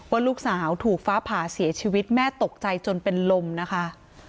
ว่าลูกสาวถูกฟ้าผ่าเสียชีวิตแม่ตกใจจนเป็นลมนะคะ